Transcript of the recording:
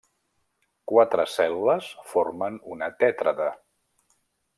Quatre cèl·lules formen una tètrada.